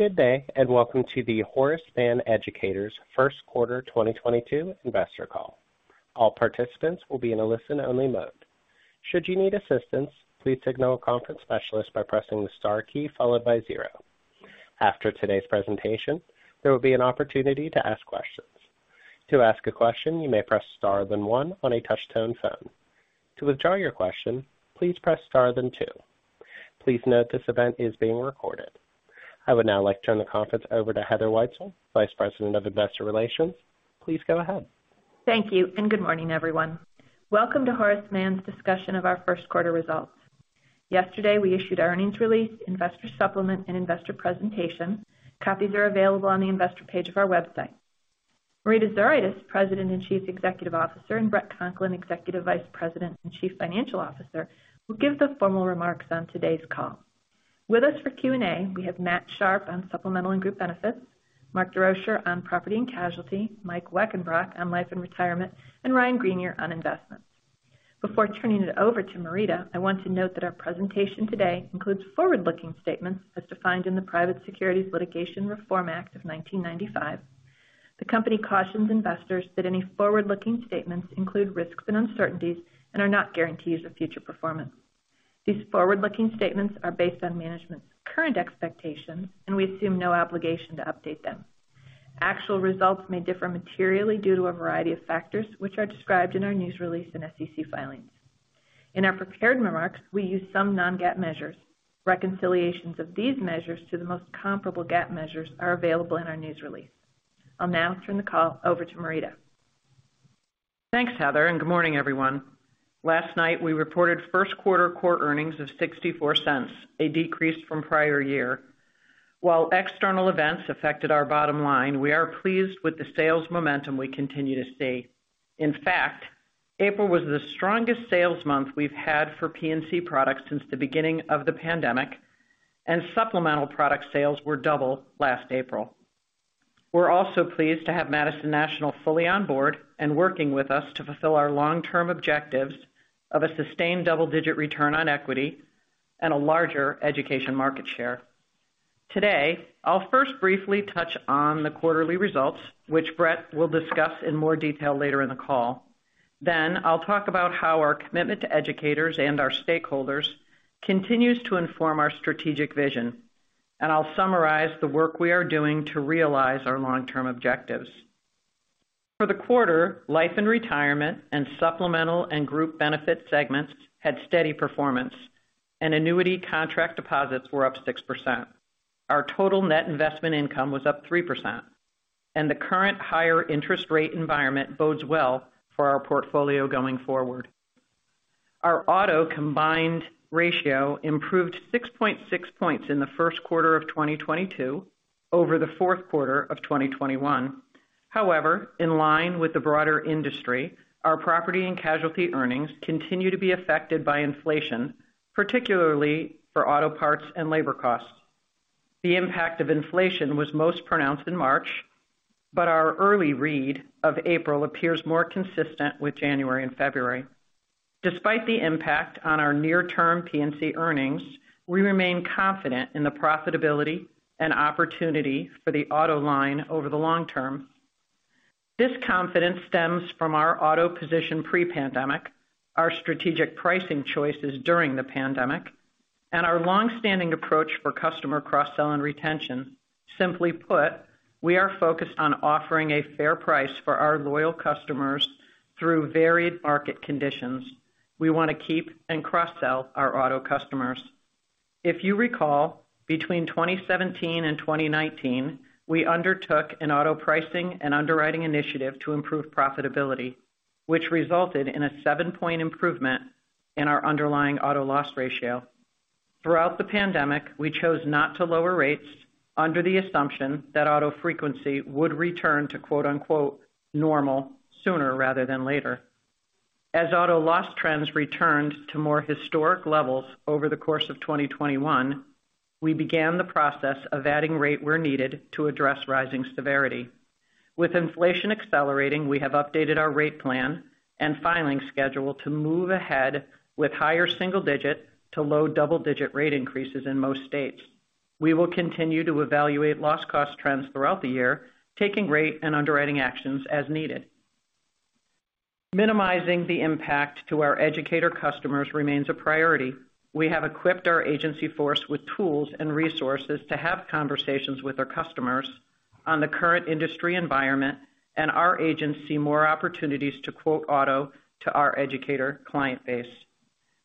Good day, and welcome to the Horace Mann Educators First Quarter 2022 Investor Call. All participants will be in a listen-only mode. Should you need assistance, please signal a conference specialist by pressing the star key followed by zero. After today's presentation, there will be an opportunity to ask questions. To ask a question, you may press star then one on a touch-tone phone. To withdraw your question, please press star then two. Please note this event is being recorded. I would now like to turn the conference over to Heather Wietzel, Vice President of Investor Relations. Please go ahead. Thank you, and good morning, everyone. Welcome to Horace Mann's Discussion of our First Quarter Results. Yesterday, we issued our earnings release, investor supplement, and investor presentation. Copies are available on the investor page of our website. Marita Zuraitis, President and Chief Executive Officer, and Bret Conklin, Executive Vice President and Chief Financial Officer, will give the formal remarks on today's call. With us for Q&A, we have Matt Sharpe on supplemental and group benefits, Mark Desrochers on property and casualty, Mike Weckenbrock on life and retirement, and Ryan Greenier on investments. Before turning it over to Marita, I want to note that our presentation today includes forward-looking statements as defined in the Private Securities Litigation Reform Act of 1995. The company cautions investors that any forward-looking statements include risks and uncertainties and are not guarantees of future performance. These forward-looking statements are based on management's current expectations, and we assume no obligation to update them. Actual results may differ materially due to a variety of factors, which are described in our news release and SEC filings. In our prepared remarks, we use some non-GAAP measures. Reconciliations of these measures to the most comparable GAAP measures are available in our news release. I'll now turn the call over to Marita. Thanks, Heather, and good morning, everyone. Last night, we reported first quarter core earnings of $0.64, a decrease from prior year. While external events affected our bottom line, we are pleased with the sales momentum we continue to see. In fact, April was the strongest sales month we've had for P&C products since the beginning of the pandemic, and supplemental product sales were double last April. We're also pleased to have Madison National fully on board and working with us to fulfill our long-term objectives of a sustained double-digit return on equity and a larger education market share. Today, I'll first briefly touch on the quarterly results, which Bret will discuss in more detail later in the call. Then I'll talk about how our commitment to educators and our stakeholders continues to inform our strategic vision. I'll summarize the work we are doing to realize our long-term objectives. For the quarter, life and retirement and supplemental and group benefit segments had steady performance, and annuity contract deposits were up 6%. Our total net investment income was up 3%, and the current higher interest rate environment bodes well for our portfolio going forward. Our auto combined ratio improved 6.6 points in the first quarter of 2022 over the fourth quarter of 2021. However, in line with the broader industry, our property and casualty earnings continue to be affected by inflation, particularly for auto parts and labor costs. The impact of inflation was most pronounced in March, but our early read of April appears more consistent with January and February. Despite the impact on our near-term P&C earnings, we remain confident in the profitability and opportunity for the auto line over the long term. This confidence stems from our auto position pre-pandemic, our strategic pricing choices during the pandemic, and our long-standing approach for customer cross-sell and retention. Simply put, we are focused on offering a fair price for our loyal customers through varied market conditions. We wanna keep and cross-sell our auto customers. If you recall, between 2017 and 2019, we undertook an auto pricing and underwriting initiative to improve profitability, which resulted in a 7-point improvement in our underlying auto loss ratio. Throughout the pandemic, we chose not to lower rates under the assumption that auto frequency would return to "normal" sooner rather than later. As auto loss trends returned to more historic levels over the course of 2021, we began the process of adding rate where needed to address rising severity. With inflation accelerating, we have updated our rate plan and filing schedule to move ahead with higher single-digit to low double-digit rate increases in most states. We will continue to evaluate loss cost trends throughout the year, taking rate and underwriting actions as needed. Minimizing the impact to our educator customers remains a priority. We have equipped our agency force with tools and resources to have conversations with their customers on the current industry environment and to provide more opportunities to quote auto to our educator client base.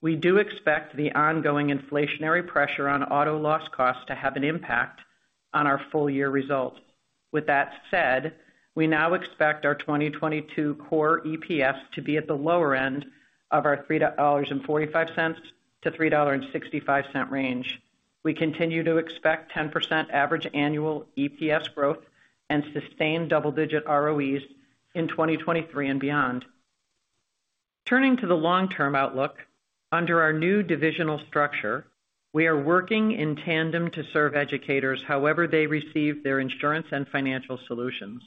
We do expect the ongoing inflationary pressure on auto loss costs to have an impact on our full year results. With that said, we now expect our 2022 core EPS to be at the lower end of our $3.45-$3.65 range. We continue to expect 10% average annual EPS growth and sustained double-digit ROEs in 2023 and beyond. Turning to the long-term outlook, under our new divisional structure, we are working in tandem to serve educators however they receive their insurance and financial solutions.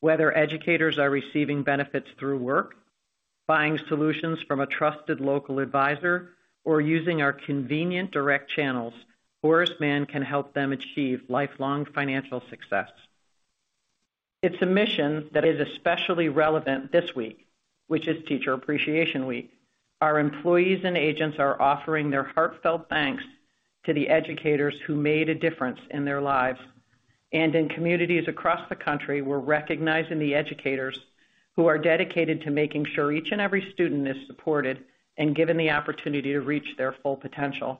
Whether educators are receiving benefits through work, buying solutions from a trusted local advisor, or using our convenient direct channels, Horace Mann can help them achieve lifelong financial success. It's a mission that is especially relevant this week, which is Teacher Appreciation Week. Our employees and agents are offering their heartfelt thanks to the educators who made a difference in their lives. In communities across the country, we're recognizing the educators who are dedicated to making sure each and every student is supported and given the opportunity to reach their full potential.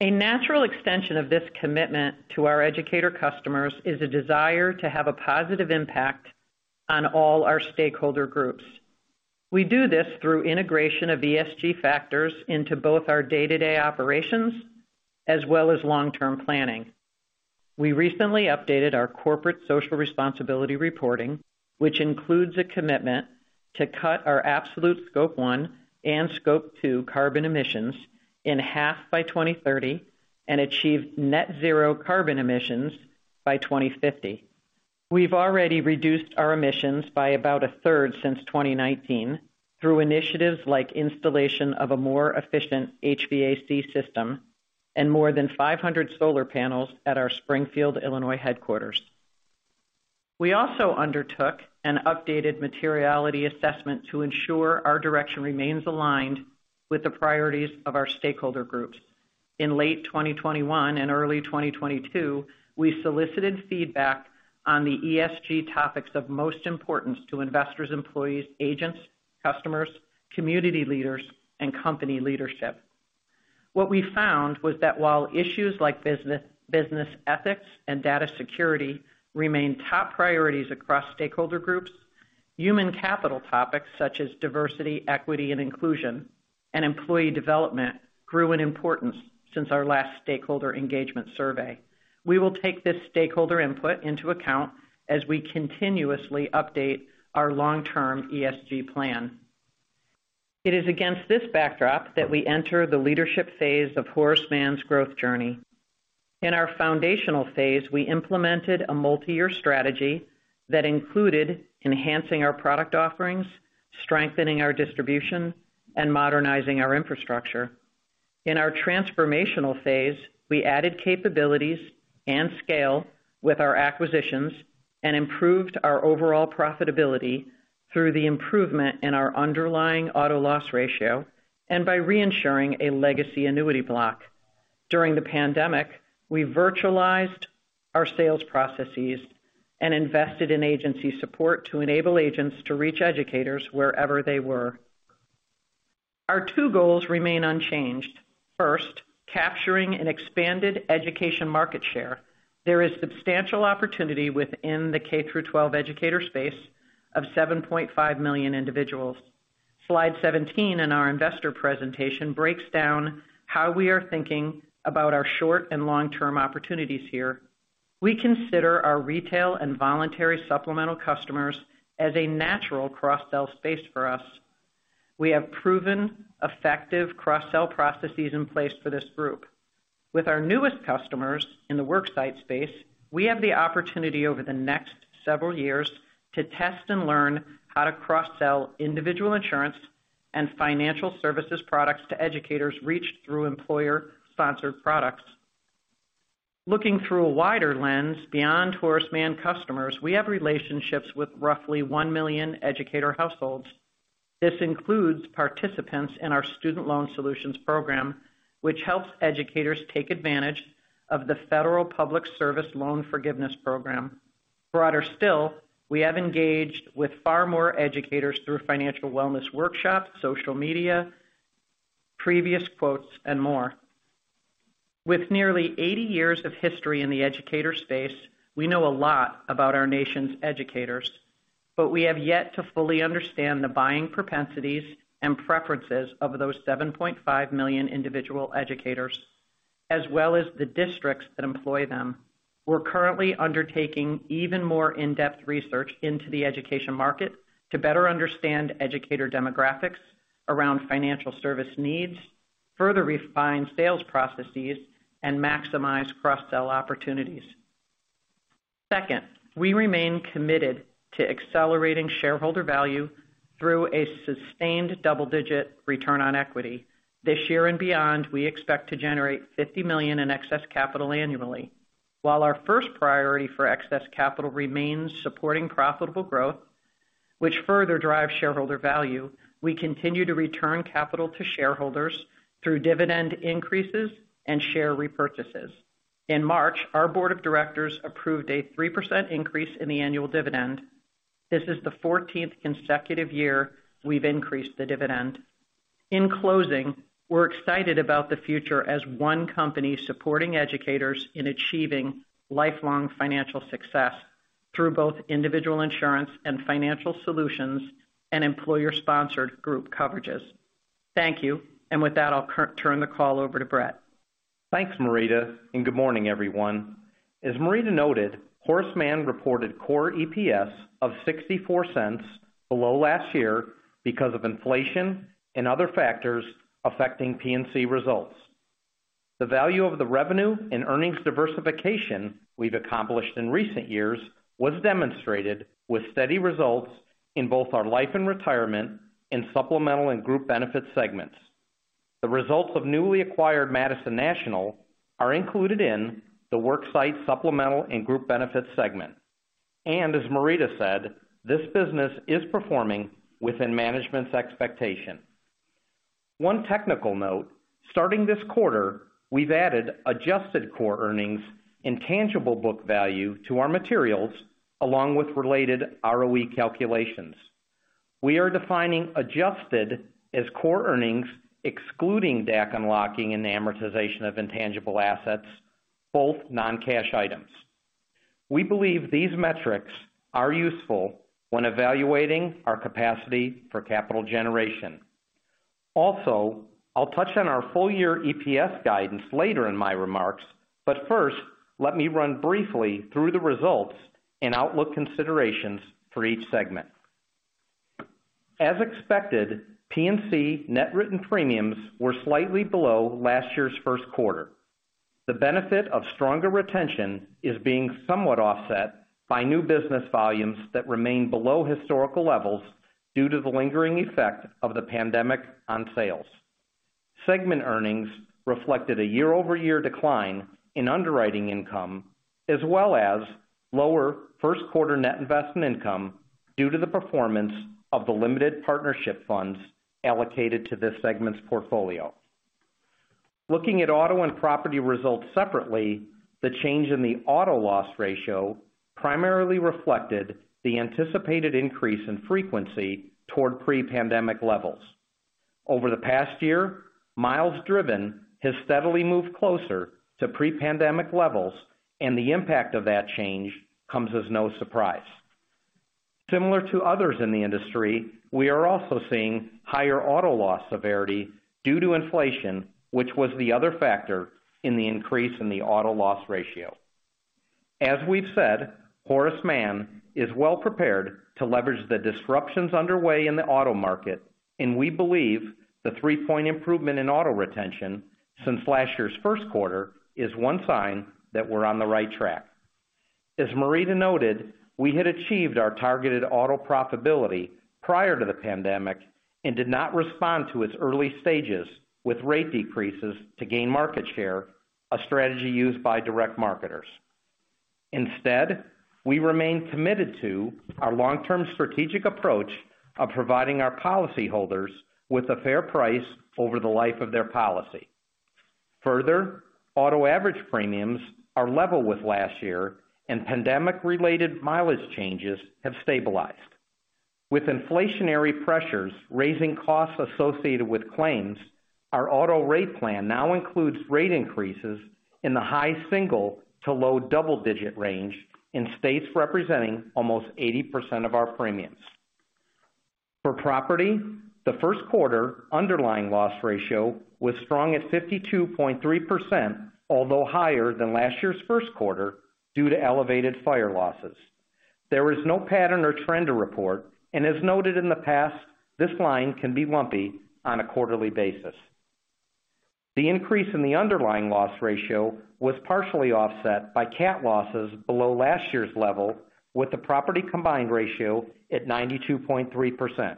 A natural extension of this commitment to our educator customers is a desire to have a positive impact on all our stakeholder groups. We do this through integration of ESG factors into both our day-to-day operations as well as long-term planning. We recently updated our corporate social responsibility reporting, which includes a commitment to cut our absolute Scope 1 and Scope 2 carbon emissions in half by 2030 and achieve net zero carbon emissions by 2050. We've already reduced our emissions by about a third since 2019 through initiatives like installation of a more efficient HVAC system and more than 500 solar panels at our Springfield, Illinois, headquarters. We also undertook an updated materiality assessment to ensure our direction remains aligned with the priorities of our stakeholder groups. In late 2021 and early 2022, we solicited feedback on the ESG topics of most importance to investors, employees, agents, customers, community leaders, and company leadership. What we found was that while issues like business ethics and data security remain top priorities across stakeholder groups, human capital topics, such as diversity, equity, and inclusion and employee development, grew in importance since our last stakeholder engagement survey. We will take this stakeholder input into account as we continuously update our long-term ESG plan. It is against this backdrop that we enter the leadership phase of Horace Mann's growth journey. In our foundational phase, we implemented a multi-year strategy that included enhancing our product offerings, strengthening our distribution, and modernizing our infrastructure. In our transformational phase, we added capabilities and scale with our acquisitions and improved our overall profitability through the improvement in our underlying auto loss ratio and by reinsuring a legacy annuity block. During the pandemic, we virtualized our sales processes and invested in agency support to enable agents to reach educators wherever they were. Our two goals remain unchanged. First, capturing an expanded education market share. There is substantial opportunity within the K through twelve educator space of 7.5 million individuals. Slide 17 in our investor presentation breaks down how we are thinking about our short and long-term opportunities here. We consider our retail and voluntary supplemental customers as a natural cross-sell space for us. We have proven effective cross-sell processes in place for this group. With our newest customers in the worksite space, we have the opportunity over the next several years to test and learn how to cross-sell individual insurance and financial services products to educators reached through employer-sponsored products. Looking through a wider lens, beyond Horace Mann customers, we have relationships with roughly 1 million educator households. This includes participants in our Student Loan Solutions program, which helps educators take advantage of the Public Service Loan Forgiveness program. Broader still, we have engaged with far more educators through financial wellness workshops, social media, previous quotes, and more. With nearly 80 years of history in the educator space, we know a lot about our nation's educators, but we have yet to fully understand the buying propensities and preferences of those 7.5 million individual educators, as well as the districts that employ them. We're currently undertaking even more in-depth research into the education market to better understand educator demographics around financial service needs, further refine sales processes, and maximize cross-sell opportunities. Second, we remain committed to accelerating shareholder value through a sustained double-digit return on equity. This year and beyond, we expect to generate $50 million in excess capital annually. While our first priority for excess capital remains supporting profitable growth, which further drives shareholder value, we continue to return capital to shareholders through dividend increases and share repurchases. In March, our board of directors approved a 3% increase in the annual dividend. This is the fourteenth consecutive year we've increased the dividend. In closing, we're excited about the future as one company supporting educators in achieving lifelong financial success through both individual insurance and financial solutions and employer-sponsored group coverages. Thank you. With that, I'll turn the call over to Bret. Thanks, Marita, and good morning, everyone. As Marita noted, Horace Mann reported core EPS of $0.64, below last year because of inflation and other factors affecting P&C results. The value of the revenue and earnings diversification we've accomplished in recent years was demonstrated with steady results in both our life and retirement and supplemental and group benefit segments. The results of newly acquired Madison National are included in the worksite supplemental and group benefits segment. As Marita said, this business is performing within management's expectation. One technical note, starting this quarter, we've added adjusted core earnings and tangible book value to our materials, along with related ROE calculations. We are defining adjusted as core earnings excluding DAC unlocking and amortization of intangible assets, both non-cash items. We believe these metrics are useful when evaluating our capacity for capital generation. Also, I'll touch on our full year EPS guidance later in my remarks, but first, let me run briefly through the results and outlook considerations for each segment. As expected, P&C net written premiums were slightly below last year's first quarter. The benefit of stronger retention is being somewhat offset by new business volumes that remain below historical levels due to the lingering effect of the pandemic on sales. Segment earnings reflected a year-over-year decline in underwriting income, as well as lower first quarter net investment income due to the performance of the limited partnership funds allocated to this segment's portfolio. Looking at auto and property results separately, the change in the auto loss ratio primarily reflected the anticipated increase in frequency toward pre-pandemic levels. Over the past year, miles driven has steadily moved closer to pre-pandemic levels, and the impact of that change comes as no surprise. Similar to others in the industry, we are also seeing higher auto loss severity due to inflation, which was the other factor in the increase in the auto loss ratio. As we've said, Horace Mann is well prepared to leverage the disruptions underway in the auto market, and we believe the 3-point improvement in auto retention since last year's first quarter is one sign that we're on the right track. As Marita noted, we had achieved our targeted auto profitability prior to the pandemic and did not respond to its early stages with rate decreases to gain market share, a strategy used by direct marketers. Instead, we remain committed to our long-term strategic approach of providing our policyholders with a fair price over the life of their policy. Further, auto average premiums are level with last year, and pandemic-related mileage changes have stabilized. With inflationary pressures raising costs associated with claims, our auto rate plan now includes rate increases in the high single- to low double-digit range in states representing almost 80% of our premiums. For property, the first quarter underlying loss ratio was strong at 52.3%, although higher than last year's first quarter due to elevated fire losses. There is no pattern or trend to report, and as noted in the past, this line can be lumpy on a quarterly basis. The increase in the underlying loss ratio was partially offset by cat losses below last year's level, with the property combined ratio at 92.3%.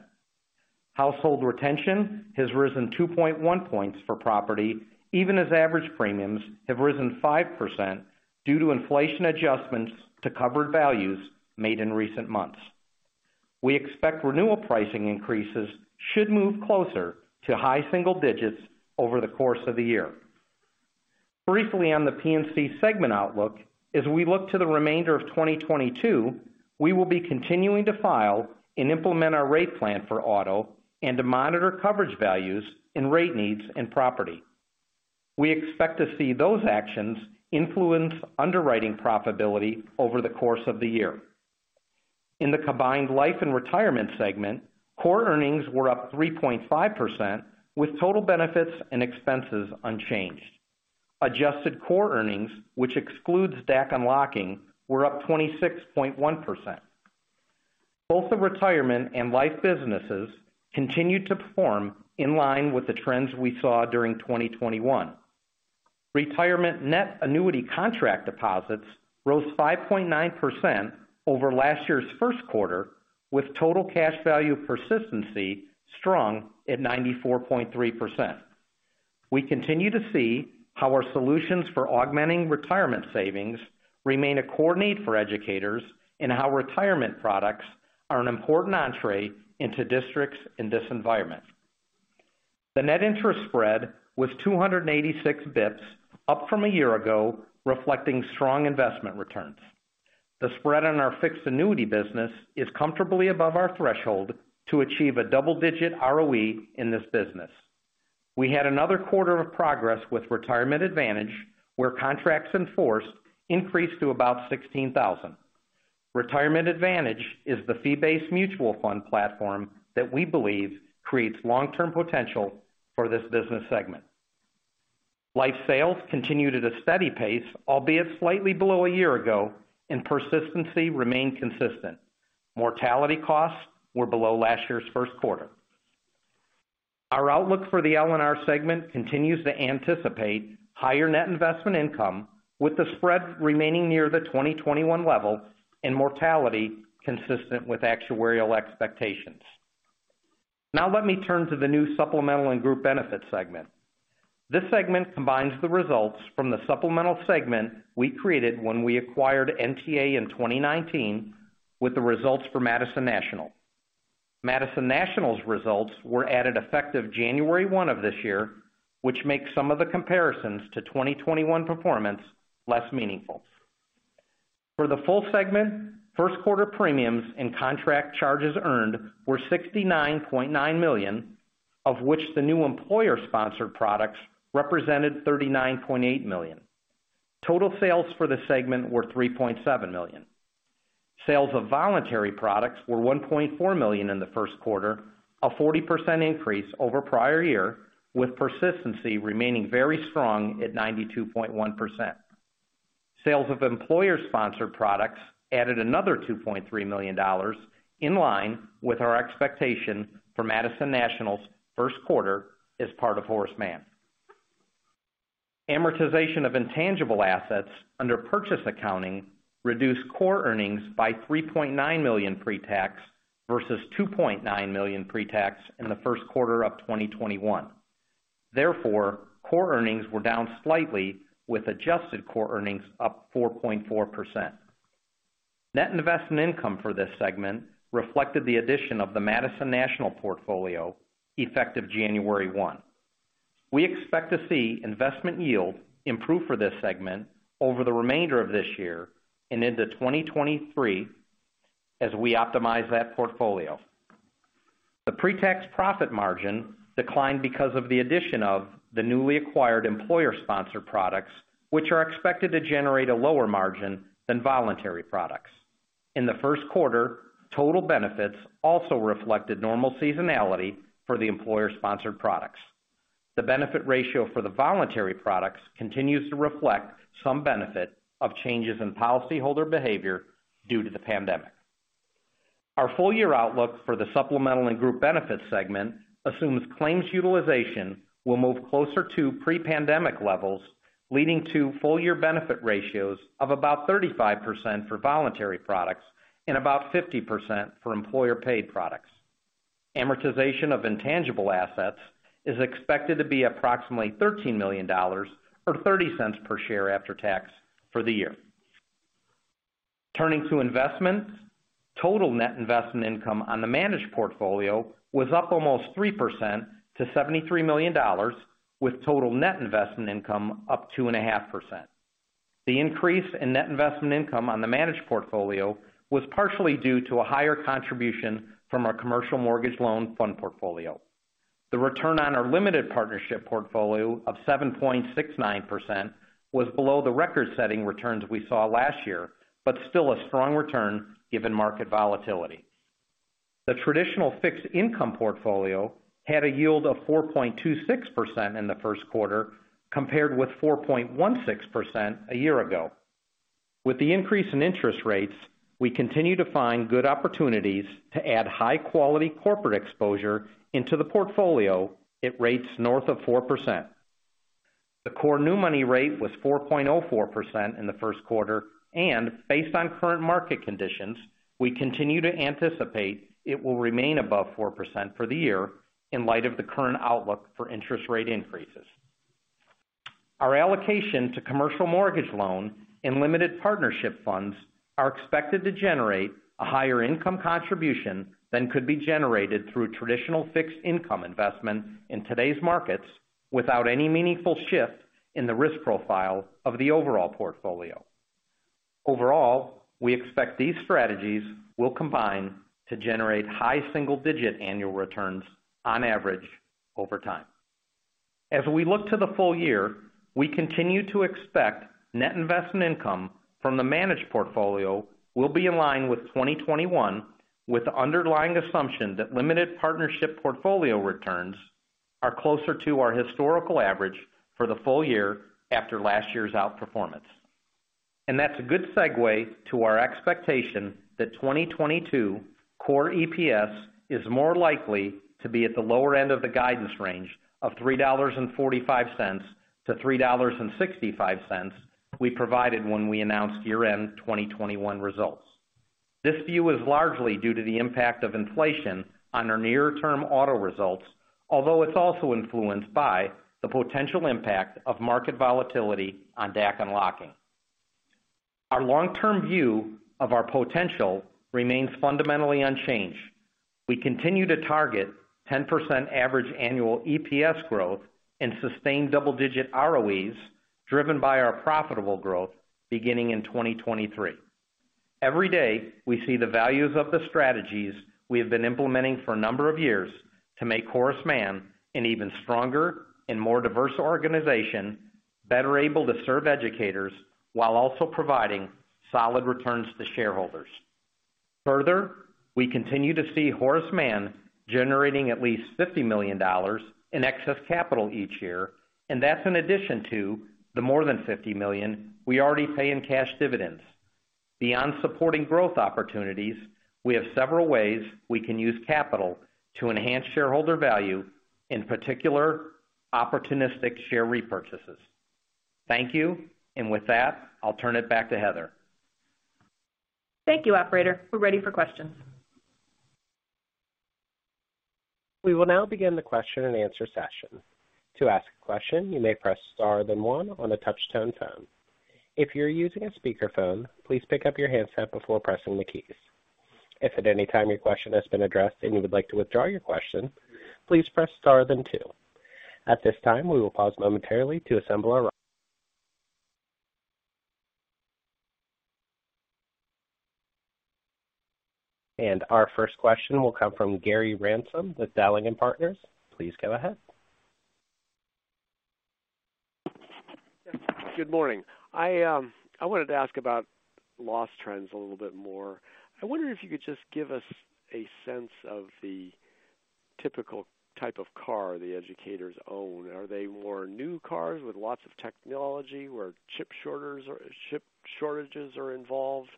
Household retention has risen 2.1 points for property, even as average premiums have risen 5% due to inflation adjustments to covered values made in recent months. We expect renewal pricing increases should move closer to high single digits over the course of the year. Briefly on the P&C segment outlook, as we look to the remainder of 2022, we will be continuing to file and implement our rate plan for auto and to monitor coverage values and rate needs in property. We expect to see those actions influence underwriting profitability over the course of the year. In the combined life and retirement segment, core earnings were up 3.5%, with total benefits and expenses unchanged. Adjusted core earnings, which excludes DAC unlocking, were up 26.1%. Both the retirement and life businesses continued to perform in line with the trends we saw during 2021. Retirement net annuity contract deposits rose 5.9% over last year's first quarter, with total cash value persistency strong at 94.3%. We continue to see how our solutions for augmenting retirement savings remain a core need for educators and how retirement products are an important entree into districts in this environment. The net interest spread was 286 basis points, up from a year ago, reflecting strong investment returns. The spread on our fixed annuity business is comfortably above our threshold to achieve a double-digit ROE in this business. We had another quarter of progress with Retirement Advantage, where contracts in force increased to about 16,000. Retirement Advantage is the fee-based mutual fund platform that we believe creates long-term potential for this business segment. Life sales continue at a steady pace, albeit slightly below a year ago, and persistency remained consistent. Mortality costs were below last year's first quarter. Our outlook for the L&R segment continues to anticipate higher net investment income, with the spread remaining near the 2021 level and mortality consistent with actuarial expectations. Now let me turn to the new supplemental and group benefit segment. This segment combines the results from the supplemental segment we created when we acquired NTA in 2019, with the results for Madison National. Madison National's results were added effective January 1 of this year, which makes some of the comparisons to 2021 performance less meaningful. For the full segment, first quarter premiums and contract charges earned were $69.9 million, of which the new employer-sponsored products represented $39.8 million. Total sales for the segment were $3.7 million. Sales of voluntary products were $1.4 million in the first quarter, a 40% increase over prior year, with persistency remaining very strong at 92.1%. Sales of employer-sponsored products added another $2.3 million, in line with our expectation for Madison National's first quarter as part of Horace Mann. Amortization of intangible assets under purchase accounting reduced core earnings by $3.9 million pre-tax versus $2.9 million pre-tax in the first quarter of 2021. Therefore, core earnings were down slightly, with adjusted core earnings up 4.4%. Net investment income for this segment reflected the addition of the Madison National portfolio effective January 1. We expect to see investment yield improve for this segment over the remainder of this year and into 2023 as we optimize that portfolio. The pre-tax profit margin declined because of the addition of the newly acquired employer-sponsored products, which are expected to generate a lower margin than voluntary products. In the first quarter, total benefits also reflected normal seasonality for the employer-sponsored products. The benefit ratio for the voluntary products continues to reflect some benefit of changes in policyholder behavior due to the pandemic. Our full year outlook for the supplemental and group benefit segment assumes claims utilization will move closer to pre-pandemic levels, leading to full year benefit ratios of about 35% for voluntary products and about 50% for employer-paid products. Amortization of intangible assets is expected to be approximately $13 million or $0.30 per share after tax for the year. Turning to investments, total net investment income on the managed portfolio was up almost 3% to $73 million, with total net investment income up 2.5%. The increase in net investment income on the managed portfolio was partially due to a higher contribution from our commercial mortgage loan fund portfolio. The return on our limited partnership portfolio of 7.69% was below the record-setting returns we saw last year, but still a strong return given market volatility. The traditional fixed income portfolio had a yield of 4.26% in the first quarter, compared with 4.16% a year ago. With the increase in interest rates, we continue to find good opportunities to add high-quality corporate exposure into the portfolio at rates north of 4%. The core new money rate was 4.04% in the first quarter, and based on current market conditions, we continue to anticipate it will remain above 4% for the year in light of the current outlook for interest rate increases. Our allocation to commercial mortgage loans and limited partnership funds are expected to generate a higher income contribution than could be generated through traditional fixed income investment in today's markets without any meaningful shift in the risk profile of the overall portfolio. Overall, we expect these strategies will combine to generate high single-digit annual returns on average over time. As we look to the full year, we continue to expect net investment income from the managed portfolio will be in line with 2021, with the underlying assumption that limited partnership portfolio returns are closer to our historical average for the full year after last year's outperformance. That's a good segue to our expectation that 2022 core EPS is more likely to be at the lower end of the guidance range of $3.45-$3.65 we provided when we announced year-end 2021 results. This view is largely due to the impact of inflation on our near-term auto results, although it's also influenced by the potential impact of market volatility on DAC unlocking. Our long-term view of our potential remains fundamentally unchanged. We continue to target 10% average annual EPS growth and sustained double-digit ROEs driven by our profitable growth beginning in 2023. Every day, we see the values of the strategies we have been implementing for a number of years to make Horace Mann an even stronger and more diverse organization, better able to serve educators while also providing solid returns to shareholders. Further, we continue to see Horace Mann generating at least $50 million in excess capital each year, and that's in addition to the more than $50 million we already pay in cash dividends. Beyond supporting growth opportunities, we have several ways we can use capital to enhance shareholder value, in particular, opportunistic share repurchases. Thank you. With that, I'll turn it back to Heather. Thank you. Operator, we're ready for questions. We will now begin the question and answer session. To ask a question, you may press star then one on a touch-tone phone. If you're using a speakerphone, please pick up your handset before pressing the keys. If at any time your question has been addressed and you would like to withdraw your question, please press star then two. At this time, we will pause momentarily. Our first question will come from Gary Ransom with Dowling & Partners. Please go ahead. Good morning. I wanted to ask about loss trends a little bit more. I wonder if you could just give us a sense of the typical type of car the Educators own. Are they more new cars with lots of technology where chip shortages are involved?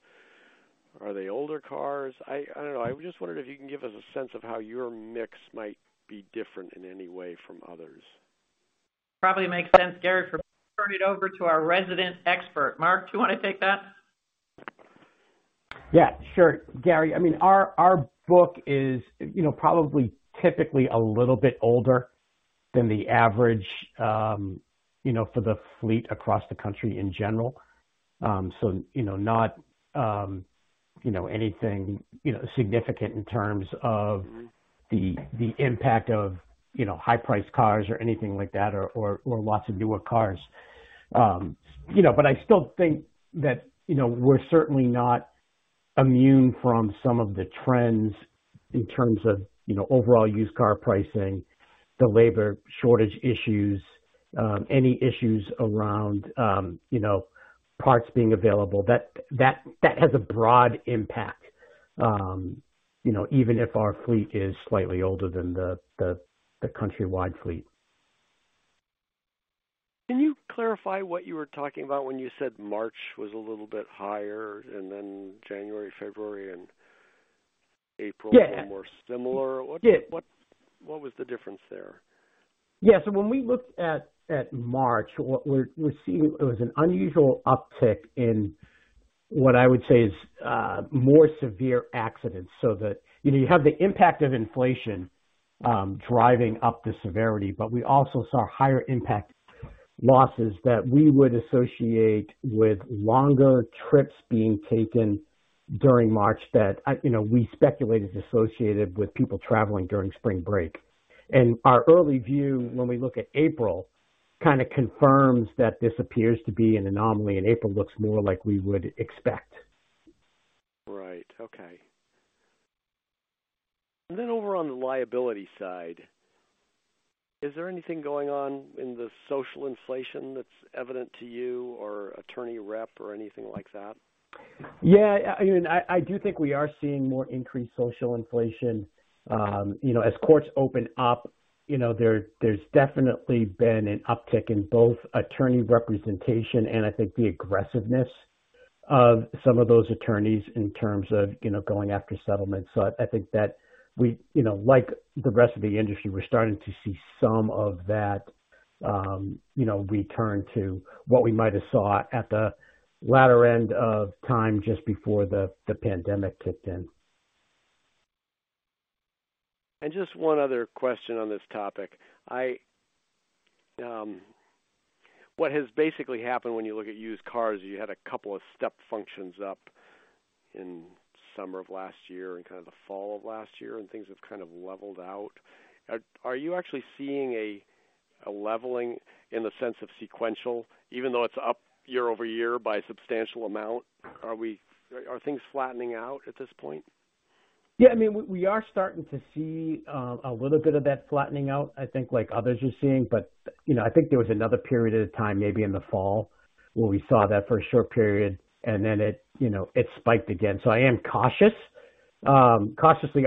Are they older cars? I don't know. I just wondered if you can give us a sense of how your mix might be different in any way from others. Probably makes sense, Gary, to turn it over to our resident expert. Mark, do you wanna take that? Yeah, sure. Gary, I mean, our book is, you know, probably typically a little bit older than the average, you know, for the fleet across the country in general. You know, not you know, anything you know, significant in terms of the impact of, you know, high-priced cars or anything like that or lots of newer cars. You know, but I still think that, you know, we're certainly not immune from some of the trends in terms of, you know, overall used car pricing, the labor shortage issues, any issues around, you know, parts being available. That has a broad impact, you know, even if our fleet is slightly older than the countrywide fleet. Can you clarify what you were talking about when you said March was a little bit higher, and then January, February, and April? Yeah. Were more similar? Yeah. What was the difference there? Yeah. When we looked at March, what we're seeing was an unusual uptick in what I would say is more severe accidents. That, you know, you have the impact of inflation driving up the severity, but we also saw higher impact losses that we would associate with longer trips being taken during March that, you know, we speculated is associated with people traveling during spring break. Our early view when we look at April kinda confirms that this appears to be an anomaly, and April looks more like we would expect. Right. Okay. Over on the liability side, is there anything going on in the social inflation that's evident to you or attorney rep or anything like that? Yeah, I mean, I do think we are seeing more increased social inflation. You know, as courts open up, you know, there's definitely been an uptick in both attorney representation and I think the aggressiveness of some of those attorneys in terms of, you know, going after settlements. I think that we, you know, like the rest of the industry, we're starting to see some of that, you know, return to what we might have saw at the latter end of time just before the pandemic kicked in. Just one other question on this topic. What has basically happened when you look at used cars, you had a couple of step functions up in summer of last year and kind of the fall of last year, and things have kind of leveled out. Are you actually seeing a leveling in the sense of sequential, even though it's up year over year by a substantial amount? Are things flattening out at this point? Yeah. I mean, we are starting to see a little bit of that flattening out, I think, like others are seeing. You know, I think there was another period of time, maybe in the fall, where we saw that for a short period, and then it you know spiked again. I am cautiously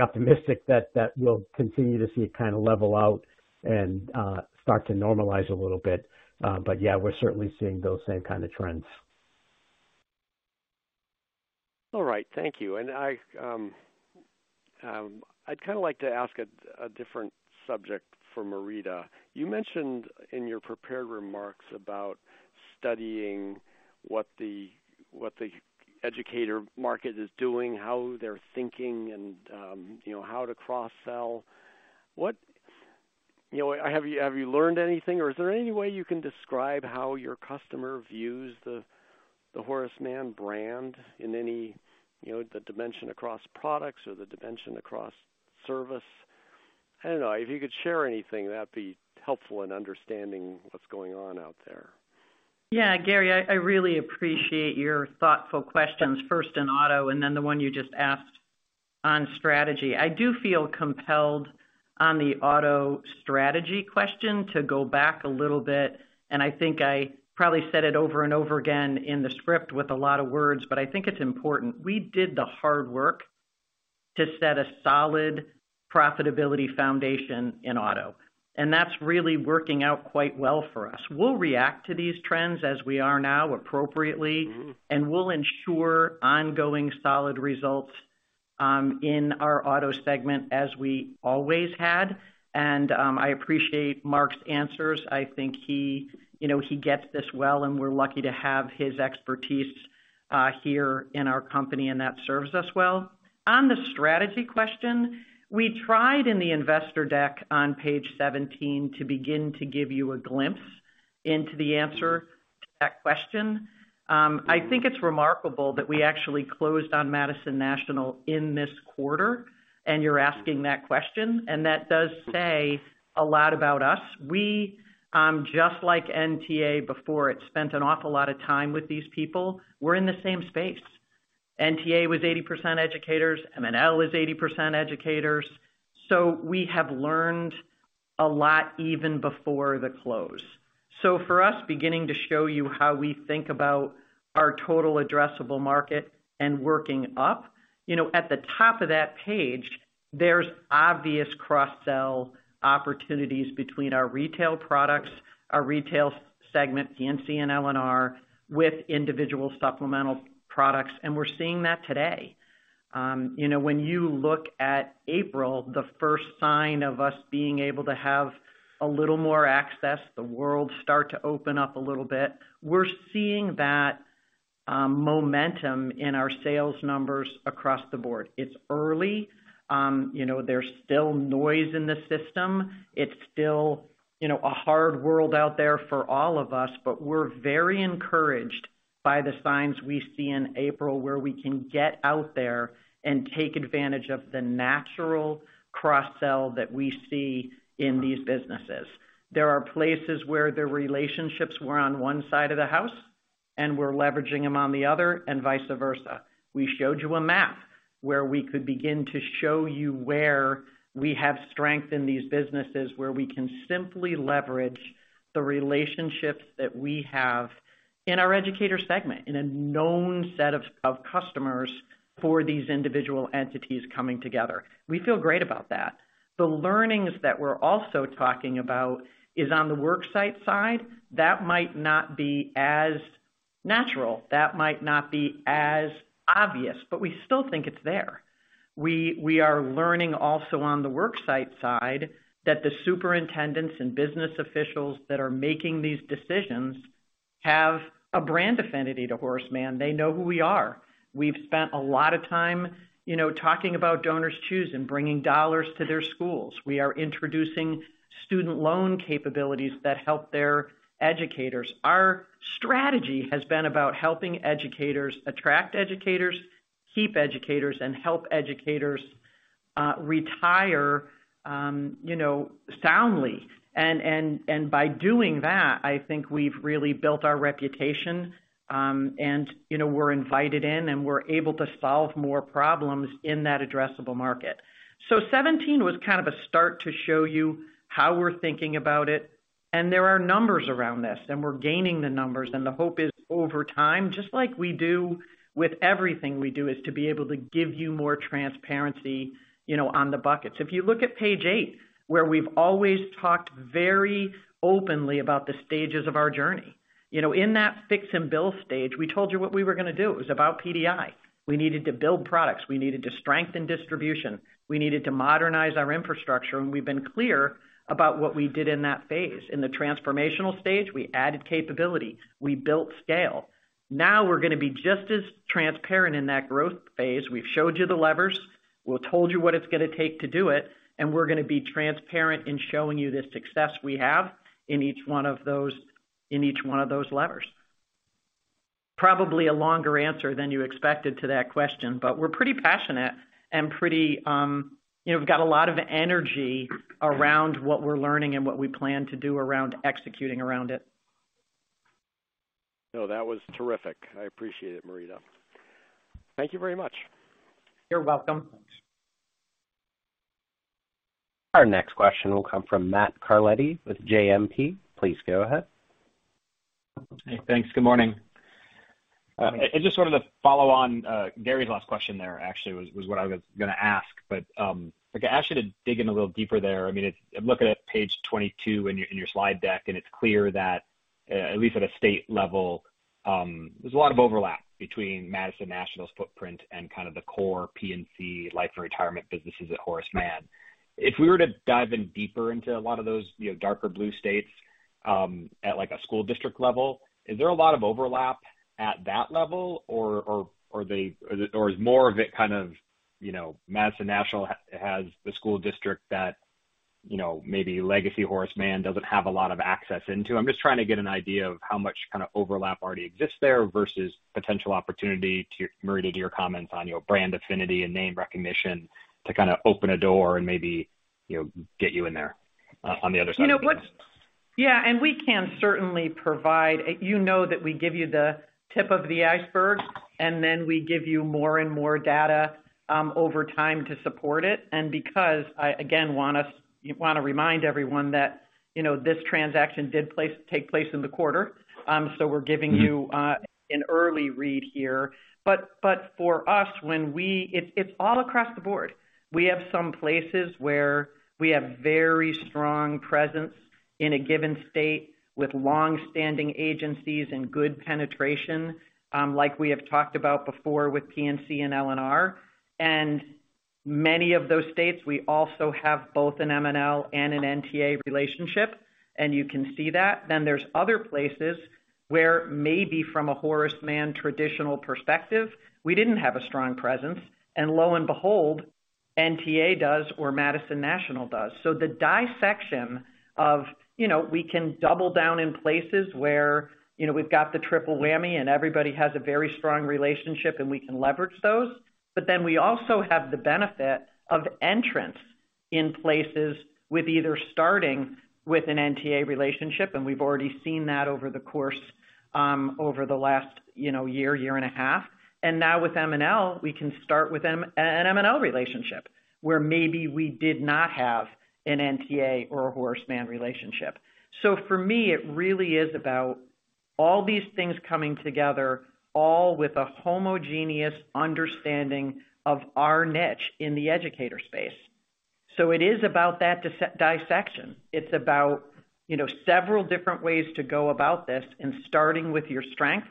optimistic that we'll continue to see it kinda level out and start to normalize a little bit. Yeah, we're certainly seeing those same kinda trends. All right. Thank you. I'd kinda like to ask a different subject for Marita. You mentioned in your prepared remarks about studying what the educator market is doing, how they're thinking, and you know, how to cross-sell. You know, have you learned anything or is there any way you can describe how your customer views the Horace Mann brand in any, you know, the dimension across products or the dimension across service? I don't know. If you could share anything, that'd be helpful in understanding what's going on out there. Yeah. Gary, I really appreciate your thoughtful questions, first in auto and then the one you just asked on strategy. I do feel compelled on the auto strategy question to go back a little bit, and I think I probably said it over and over again in the script with a lot of words, but I think it's important. We did the hard work to set a solid profitability foundation in auto. That's really working out quite well for us. We'll react to these trends as we are now appropriately, and we'll ensure ongoing solid results in our auto segment as we always had. I appreciate Mark's answers. I think he, you know, he gets this well, and we're lucky to have his expertise here in our company, and that serves us well. On the strategy question, we tried in the investor deck on page 17 to begin to give you a glimpse into the answer to that question. I think it's remarkable that we actually closed on Madison National in this quarter, and you're asking that question, and that does say a lot about us. We, just like NTA before it spent an awful lot of time with these people, we're in the same space. NTA was 80% educators, MNL is 80% educators. We have learned a lot even before the close. For us, beginning to show you how we think about our total addressable market and working up, you know, at the top of that page, there's obvious cross-sell opportunities between our retail products, our retail segment, P&C and L&R, with individual supplemental products, and we're seeing that today. When you look at April, the first sign of us being able to have a little more access, the world start to open up a little bit. We're seeing that momentum in our sales numbers across the board. It's early. You know, there's still noise in the system. It's still, you know, a hard world out there for all of us, but we're very encouraged by the signs we see in April, where we can get out there and take advantage of the natural cross-sell that we see in these businesses. There are places where the relationships were on one side of the house, and we're leveraging them on the other and vice versa. We showed you a map where we could begin to show you where we have strength in these businesses, where we can simply leverage the relationships that we have in our educator segment, in a known set of customers for these individual entities coming together. We feel great about that. The learnings that we're also talking about is on the work site side, that might not be as natural, that might not be as obvious, but we still think it's there. We are learning also on the work site side that the superintendents and business officials that are making these decisions have a brand affinity to Horace Mann. They know who we are. We've spent a lot of time, you know, talking about DonorsChoose and bringing dollars to their schools. We are introducing student loan capabilities that help their educators. Our strategy has been about helping educators attract educators, keep educators, and help educators retire, you know, soundly. By doing that, I think we've really built our reputation, and, you know, we're invited in, and we're able to solve more problems in that addressable market. 17 was kind of a start to show you how we're thinking about it, and there are numbers around this, and we're gaining the numbers. The hope is over time, just like we do with everything we do, is to be able to give you more transparency, you know, on the buckets. If you look at page eight, where we've always talked very openly about the stages of our journey. You know, in that fix and build stage, we told you what we were gonna do. It was about PDI. We needed to build products. We needed to strengthen distribution. We needed to modernize our infrastructure. We've been clear about what we did in that phase. In the transformational stage, we added capability, we built scale. Now we're gonna be just as transparent in that growth phase. We've showed you the levers. We've told you what it's gonna take to do it, and we're gonna be transparent in showing you the success we have in each one of those levers. Probably a longer answer than you expected to that question, but we're pretty passionate and pretty, you know, we've got a lot of energy around what we're learning and what we plan to do around executing around it. No, that was terrific. I appreciate it, Marita. Thank you very much. You're welcome. Our next question will come from Matt Carletti with JMP. Please go ahead. Hey, thanks. Good morning. Just sort of to follow on, Gary's last question there actually was what I was gonna ask, but if I could ask you to dig in a little deeper there. I mean, it's. I'm looking at page 22 in your slide deck, and it's clear that at least at a state level, there's a lot of overlap between Madison National's footprint and kind of the core P&C life and retirement businesses at Horace Mann. If we were to dive in deeper into a lot of those, you know, darker blue states, at like a school district level, is there a lot of overlap at that level, or are they? Is more of it kind of, you know, Madison National has the school district that, you know, maybe legacy Horace Mann doesn't have a lot of access into? I'm just trying to get an idea of how much kinda overlap already exists there versus potential opportunity to, Marita, to your comments on, you know, brand affinity and name recognition to kinda open a door and maybe, you know, get you in there on the other side of the fence. We can certainly provide. You know that we give you the tip of the iceberg, and then we give you more and more data over time to support it. Because I again want to remind everyone that you know this transaction did take place in the quarter so we're giving you an early read here. But for us it's all across the board. We have some places where we have very strong presence in a given state with long-standing agencies and good penetration like we have talked about before with P&C and L&R. Many of those states we also have both an MNL and an NTA relationship and you can see that. There's other places where maybe from a Horace Mann traditional perspective we didn't have a strong presence. Lo and behold, NTA does or Madison National does. The dissection of, you know, we can double down in places where, you know, we've got the triple whammy and everybody has a very strong relationship and we can leverage those. We also have the benefit of entrance in places with either starting with an NTA relationship, and we've already seen that over the course, over the last, you know, year and a half. Now with MNL, we can start with an MNL relationship where maybe we did not have an NTA or a Horace Mann relationship. For me, it really is about all these things coming together, all with a homogeneous understanding of our niche in the educator space. It is about that dissection. It's about, you know, several different ways to go about this and starting with your strength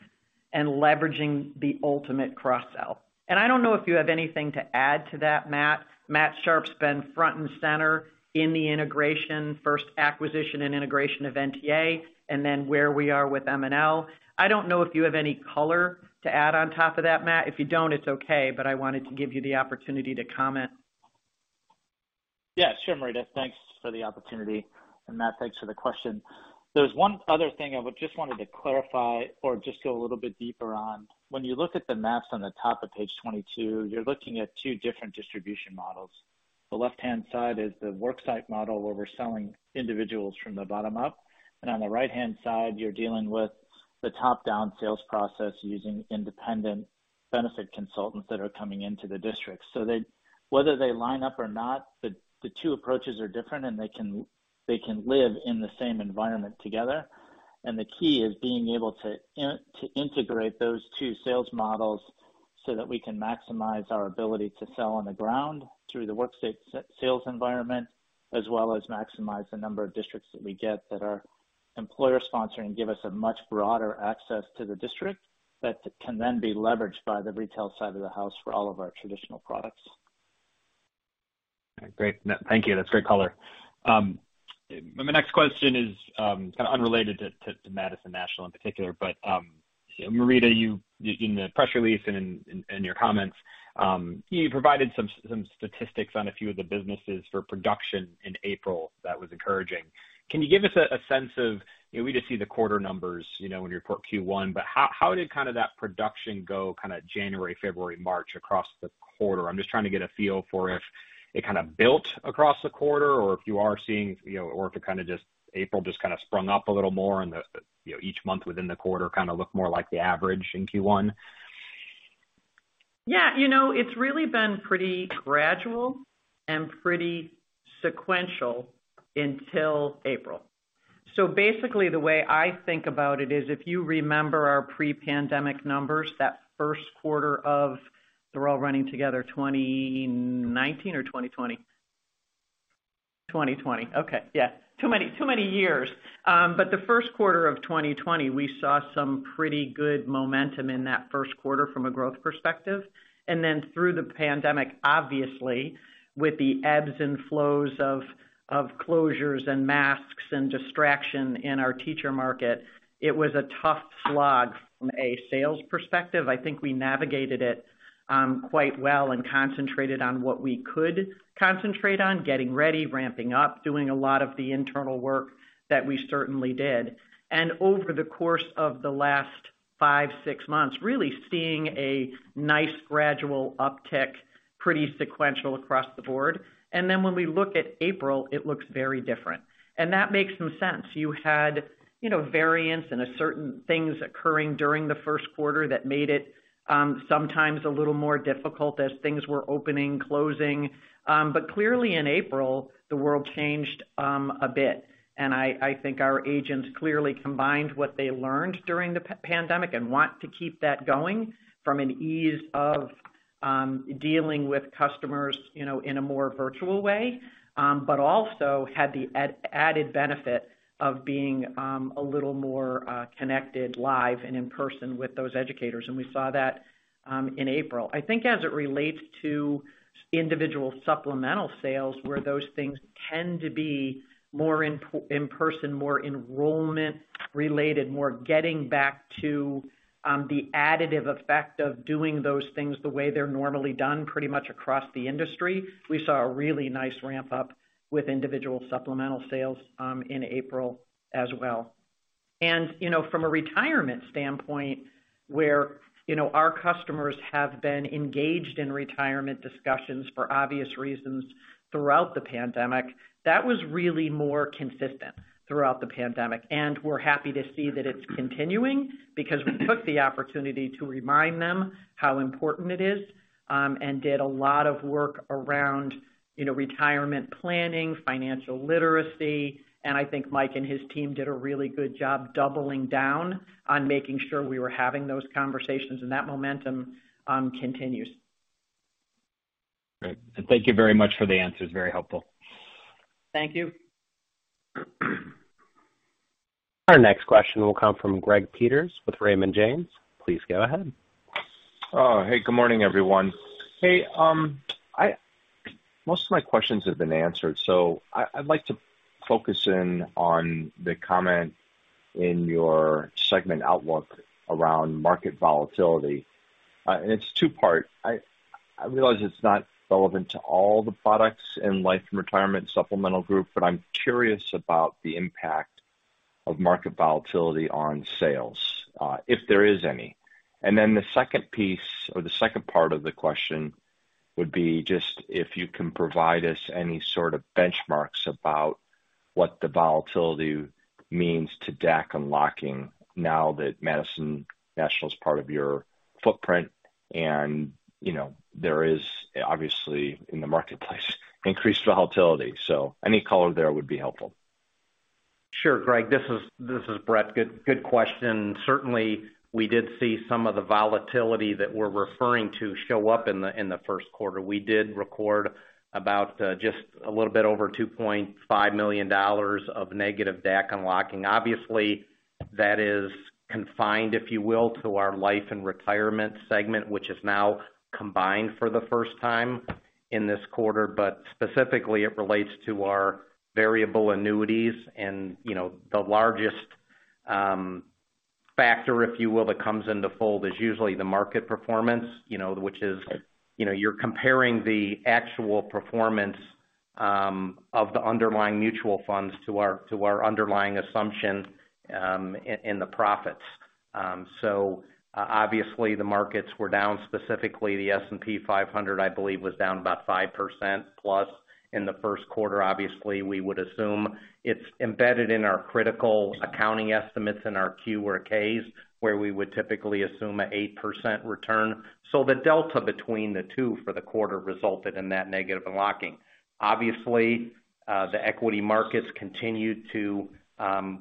and leveraging the ultimate cross sell. I don't know if you have anything to add to that, Matt. Matt Sharpe's been front and center in the integration, first acquisition and integration of NTA, and then where we are with MNL. I don't know if you have any color to add on top of that, Matt. If you don't, it's okay, but I wanted to give you the opportunity to comment. Yeah, sure, Marita. Thanks for the opportunity. Matt, thanks for the question. There's one other thing I just wanted to clarify or just go a little bit deeper on. When you look at the maps on the top of page 22, you're looking at two different distribution models. The left-hand side is the worksite model where we're selling individuals from the bottom up. On the right-hand side, you're dealing with the top-down sales process using independent benefit consultants that are coming into the district. They, whether they line up or not, the two approaches are different, and they can live in the same environment together. The key is being able to integrate those two sales models so that we can maximize our ability to sell on the ground through the worksite sales environment, as well as maximize the number of districts that we get that are employer sponsored and give us a much broader access to the district that can then be leveraged by the retail side of the house for all of our traditional products. Great. Thank you. That's great color. My next question is kind of unrelated to Madison National in particular, but Marita, in the press release and in your comments, you provided some statistics on a few of the businesses for production in April that was encouraging. Can you give us a sense of, you know, we just see the quarter numbers, you know, when you report Q1, but how did kind of that production go kind of January, February, March across the quarter? I'm just trying to get a feel for if it kind of built across the quarter or if you are seeing, you know, or if it kind of just April just kind of sprung up a little more and the, you know, each month within the quarter kind of look more like the average in Q1. Yeah, you know, it's really been pretty gradual and pretty sequential until April. Basically, the way I think about it is if you remember our pre-pandemic numbers, that first quarter of 2020, we saw some pretty good momentum in that first quarter from a growth perspective. Then through the pandemic, obviously, with the ebbs and flows of closures and masks and distraction in our teacher market, it was a tough slog from a sales perspective. I think we navigated it quite well and concentrated on what we could concentrate on, getting ready, ramping up, doing a lot of the internal work that we certainly did. Over the course of the last five, six months, really seeing a nice gradual uptick, pretty sequential across the board. Then when we look at April, it looks very different. That makes some sense. You had, you know, variants and certain things occurring during the first quarter that made it sometimes a little more difficult as things were opening, closing. But clearly in April, the world changed a bit. I think our agents clearly combined what they learned during the pandemic and want to keep that going from an ease of dealing with customers, you know, in a more virtual way, but also had the added benefit of being a little more connected live and in person with those educators, and we saw that in April. I think as it relates to individual supplemental sales, where those things tend to be more in person, more enrollment related, more getting back to the additive effect of doing those things the way they're normally done pretty much across the industry, we saw a really nice ramp up with individual supplemental sales in April as well. You know, from a retirement standpoint where our customers have been engaged in retirement discussions for obvious reasons throughout the pandemic, that was really more consistent throughout the pandemic. We're happy to see that it's continuing because we took the opportunity to remind them how important it is and did a lot of work around retirement planning, financial literacy. I think Mike and his team did a really good job doubling down on making sure we were having those conversations and that momentum continues. Great. Thank you very much for the answers. Very helpful. Thank you. Our next question will come from Greg Peters with Raymond James. Please go ahead. Oh, hey, good morning, everyone. Hey, most of my questions have been answered, so I'd like to focus in on the comment in your segment outlook around market volatility. It's two-part. I realize it's not relevant to all the products in Life and Retirement Supplemental Group, but I'm curious about the impact of market volatility on sales, if there is any. Then the second piece or the second part of the question would be just if you can provide us any sort of benchmarks about what the volatility means to DAC unlocking now that Madison National is part of your footprint and, you know, there is obviously in the marketplace increased volatility. Any color there would be helpful. Sure, Greg. This is Bret. Good question. Certainly, we did see some of the volatility that we're referring to show up in the first quarter. We did record about just a little bit over $2.5 million of negative DAC unlocking. Obviously, that is confined, if you will, to our Life and Retirement segment, which is now combined for the first time in this quarter. But specifically, it relates to our variable annuities. You know, the largest factor, if you will, that comes into play is usually the market performance, you know, which is you're comparing the actual performance of the underlying mutual funds to our underlying assumption in the pricing. Obviously, the markets were down, specifically the S&P 500, I believe, was down about 5% plus in the first quarter. Obviously, we would assume it's embedded in our critical accounting estimates in our 10-Qs and 10-Ks, where we would typically assume an 8% return. The delta between the two for the quarter resulted in that negative unlocking. Obviously, the equity markets continued to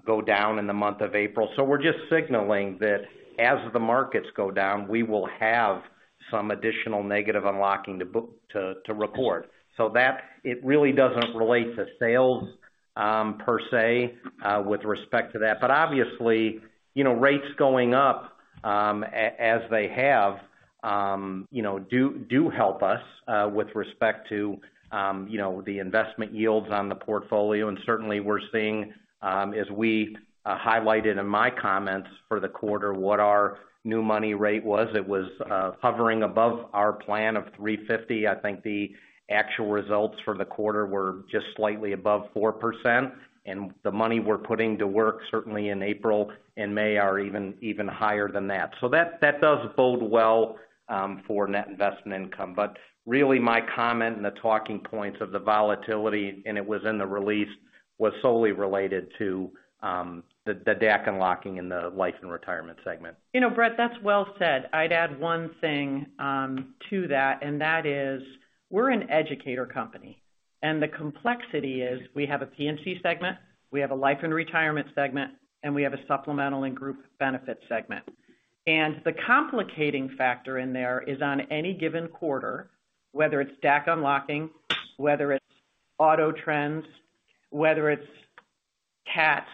go down in the month of April. We're just signaling that as the markets go down, we will have some additional negative unlocking to report. It really doesn't relate to sales per se with respect to that. But obviously, you know, rates going up as they have, you know, do help us with respect to the investment yields on the portfolio. Certainly we're seeing, as we highlighted in my comments for the quarter, what our new money rate was. It was hovering above our plan of 3.50. I think the actual results for the quarter were just slightly above 4%. The money we're putting to work, certainly in April and May, is even higher than that. That does bode well for net investment income. Really my comment and the talking points of the volatility, and it was in the release, was solely related to the DAC unlocking in the Life and Retirement segment. Bret, that's well said. I'd add one thing, to that, and that is, we're an educator company, and the complexity is we have a P&C segment, we have a Life and Retirement segment, and we have a Supplemental and Group Benefit segment. The complicating factor in there is on any given quarter, whether it's DAC unlocking, whether it's auto trends, whether it's CAT,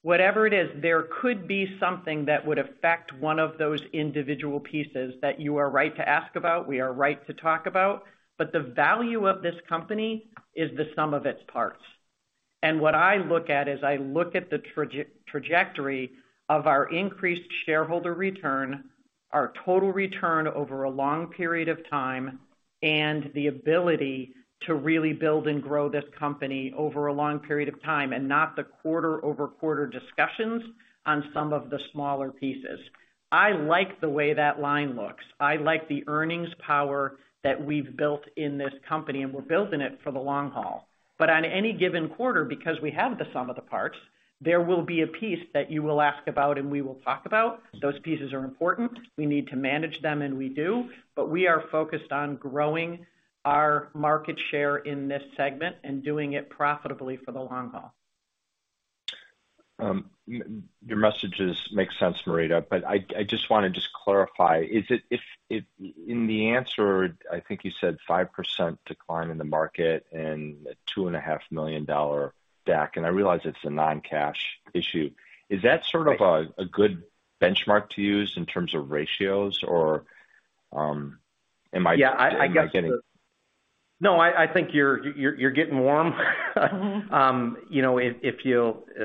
whatever it is, there could be something that would affect one of those individual pieces that you are right to ask about, we are right to talk about. The value of this company is the sum of its parts. What I look at is I look at the trajectory of our increased shareholder return, our total return over a long period of time, and the ability to really build and grow this company over a long period of time, and not the quarter-over-quarter discussions on some of the smaller pieces. I like the way that line looks. I like the earnings power that we've built in this company, and we're building it for the long haul. On any given quarter, because we have the sum of the parts, there will be a piece that you will ask about and we will talk about. Those pieces are important. We need to manage them, and we do. We are focused on growing our market share in this segment and doing it profitably for the long haul. Your messages make sense, Marita, but I just wanna clarify. In the answer, I think you said 5% decline in the market and $2.5 million DAC, and I realize it's a non-cash issue. Is that sort of a good benchmark to use in terms of ratios, or am I- Yeah, I guess. Am I getting it? No, I think you're getting warm. You know, as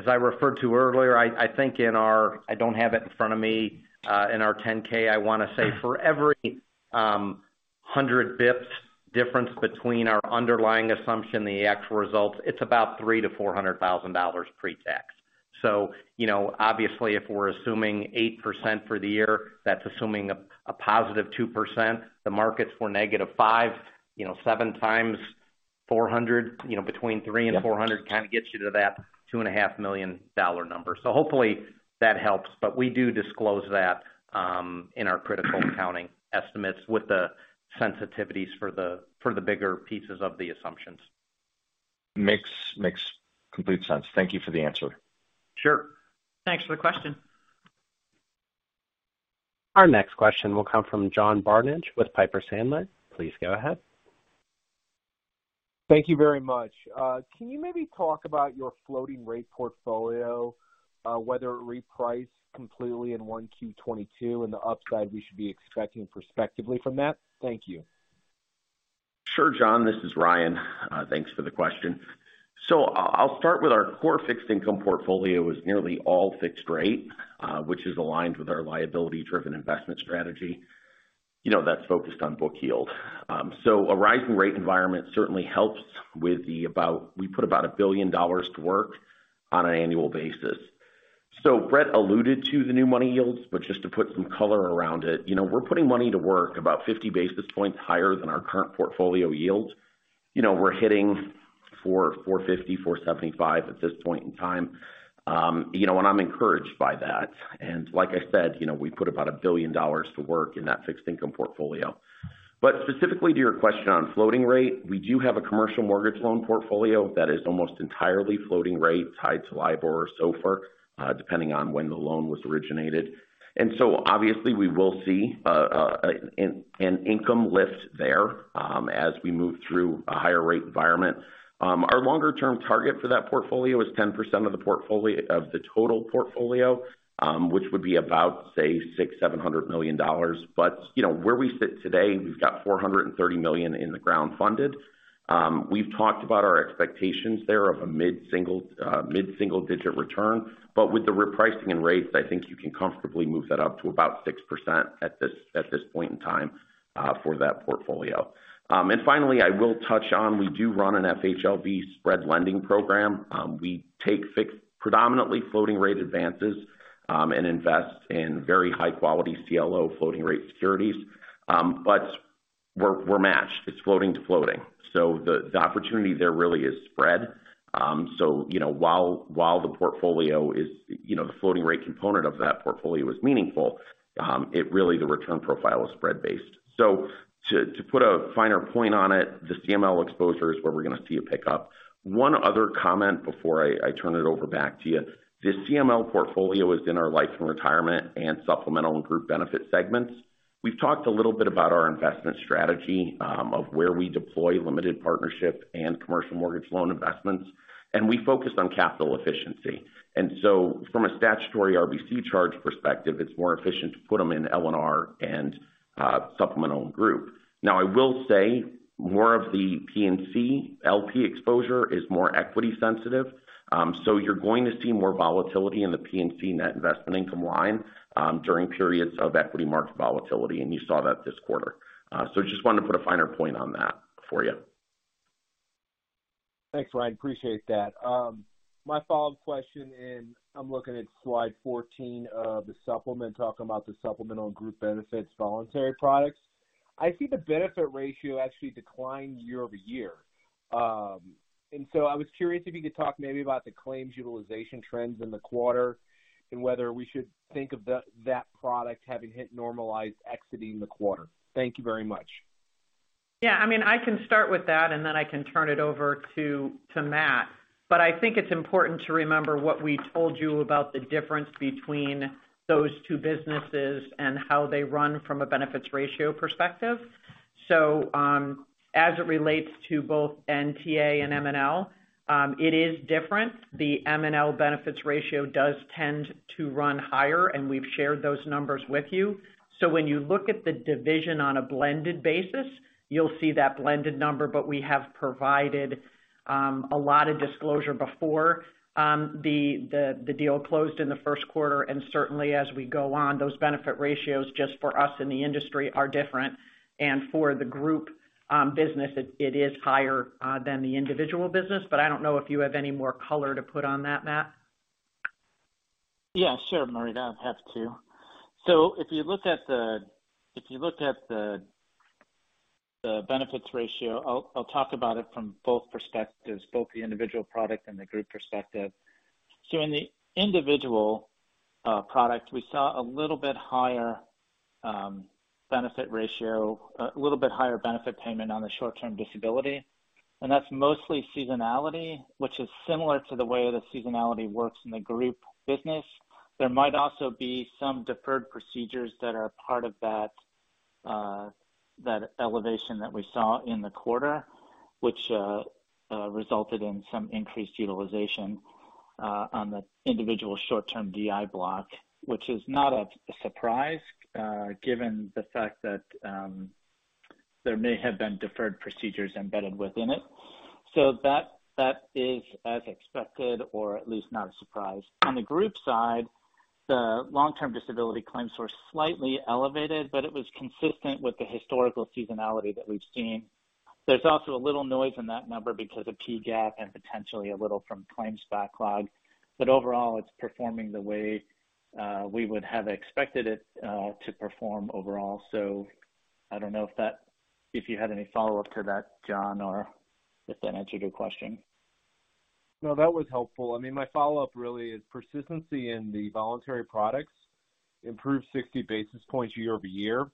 I referred to earlier, I think I don't have it in front of me, in our 10-K. I wanna say for every 100 basis points difference between our underlying assumption, the actual results, it's about $300,000-$400,000 pre-tax. You know, obviously if we're assuming 8% for the year, that's assuming a +2%. The markets were -5%, you know, 7 times 400, you know, between 300 and 400 kind of gets you to that $2.5 million number. Hopefully that helps. We do disclose that in our critical accounting estimates with the sensitivities for the bigger pieces of the assumptions. Makes complete sense. Thank you for the answer. Sure. Thanks for the question. Our next question will come from John Barnidge with Piper Sandler. Please go ahead. Thank you very much. Can you maybe talk about your floating rate portfolio, whether it reprices completely in Q1 2022 and the upside we should be expecting prospectively from that? Thank you. Sure. John, this is Ryan Greenier. Thanks for the question. I'll start with our core fixed income portfolio is nearly all fixed rate, which is aligned with our liability-driven investment strategy. You know, that's focused on book yield. A rising rate environment certainly helps with. We put $1 billion to work on an annual basis. Bret alluded to the new money yields, but just to put some color around it, you know, we're putting money to work about 50 basis points higher than our current portfolio yield. You know, we're hitting 4%, 4.50%, 4.75% at this point in time. You know, I'm encouraged by that. Like I said, you know, we put $1 billion to work in that fixed income portfolio. Specifically to your question on floating rate, we do have a commercial mortgage loan portfolio that is almost entirely floating rate, tied to LIBOR or SOFR, depending on when the loan was originated. Obviously we will see an income lift there as we move through a higher rate environment. Our longer term target for that portfolio is 10% of the total portfolio, which would be about, say, $600-$700 million. You know, where we sit today, we've got $430 million in the ground funded. We've talked about our expectations there of a mid-single digit return, but with the repricing in rates, I think you can comfortably move that up to about 6% at this point in time for that portfolio. Finally, I will touch on, we do run an FHLB spread lending program. We take predominantly floating rate advances, and invest in very high quality CLO floating rate securities. We're matched. It's floating to floating. The opportunity there really is spread. You know, while the portfolio is, you know, the floating rate component of that portfolio is meaningful, it really, the return profile is spread based. To put a finer point on it, the CML exposure is where we're gonna see a pickup. One other comment before I turn it over back to you. The CML portfolio is in our life and retirement and supplemental and group benefit segments. We've talked a little bit about our investment strategy, of where we deploy limited partnership and commercial mortgage loan investments, and we focused on capital efficiency. From a statutory RBC charge perspective, it's more efficient to put them in L&R and supplemental and group. Now, I will say more of the P&C LP exposure is more equity sensitive. So you're going to see more volatility in the P&C net investment income line, during periods of equity market volatility, and you saw that this quarter. So just wanted to put a finer point on that for you. Thanks, Ryan. Appreciate that. My follow-up question, I'm looking at slide 14 of the supplement, talking about the supplemental and group benefits voluntary products. I see the benefit ratio actually declined year-over-year. I was curious if you could talk maybe about the claims utilization trends in the quarter and whether we should think of that product having hit normalized exiting the quarter. Thank you very much. Yeah, I mean, I can start with that, and then I can turn it over to Matt. I think it's important to remember what we told you about the difference between those two businesses and how they run from a benefits ratio perspective. As it relates to both NTA and MNL, it is different. The MNL benefits ratio does tend to run higher, and we've shared those numbers with you. When you look at the division on a blended basis, you'll see that blended number. We have provided a lot of disclosure before the deal closed in the first quarter. Certainly as we go on, those benefit ratios just for us in the industry are different. For the group business, it is higher than the individual business. I don't know if you have any more color to put on that, Matt. Yeah, sure, Marita. I'd have to. If you look at the benefit ratio, I'll talk about it from both perspectives, both the individual product and the group perspective. In the individual product, we saw a little bit higher benefit ratio, a little bit higher benefit payment on the short-term disability. That's mostly seasonality, which is similar to the way the seasonality works in the group business. There might also be some deferred procedures that are part of that elevation that we saw in the quarter, which resulted in some increased utilization on the individual short-term DI block, which is not a surprise, given the fact that there may have been deferred procedures embedded within it. That is as expected or at least not a surprise. On the group side, the long-term disability claims were slightly elevated, but it was consistent with the historical seasonality that we've seen. There's also a little noise in that number because of key gap and potentially a little from claims backlog. Overall, it's performing the way we would have expected it to perform overall. I don't know if that, if you had any follow-up to that, John, or if that answered your question. No, that was helpful. I mean, my follow-up really is persistency in the voluntary products improved 60 basis points year-over-year.